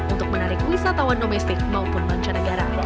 untuk menarik wisatawan domestik maupun mancanegara